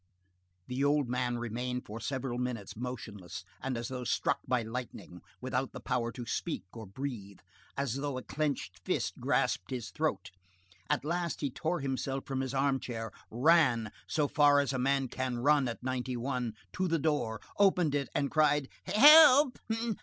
The old man remained for several minutes motionless and as though struck by lightning, without the power to speak or breathe, as though a clenched fist grasped his throat. At last he tore himself from his armchair, ran, so far as a man can run at ninety one, to the door, opened it, and cried:— "Help!